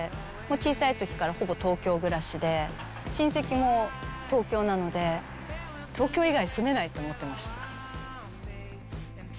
小さいときからほぼ東京暮らしで、親戚も東京なので、東京以外住めないと思ってました。